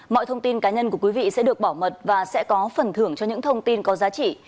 mọi thông tin cá nhân của quý vị sẽ được bảo mật và sẽ có phần thưởng cho những thông tin có giá trị